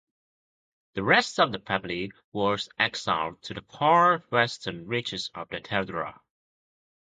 The rest of the family was exiled to the far western reaches of Dadeldhura.